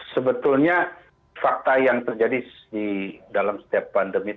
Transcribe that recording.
sebetulnya fakta yang terjadi di dalam setiap pandemi